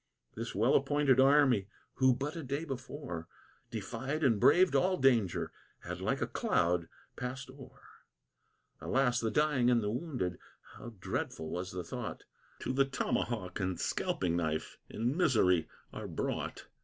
This well appointed army, who but a day before Defied and braved all danger, had like a cloud passed o'er. Alas, the dying and wounded, how dreadful was the thought! To the tomahawk and scalping knife in misery are brought.